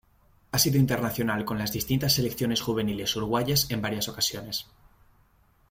Ha sido internacional con las distintas selecciones juveniles uruguayas en varias ocasiones.